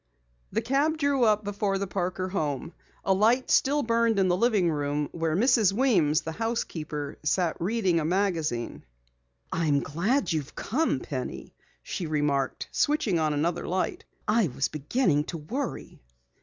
The cab drew up before the Parker home. A light still burned in the living room where Mrs. Weems, the housekeeper, sat reading a magazine. "I am glad you have come, Penny," she remarked, switching on another light. "I was beginning to worry."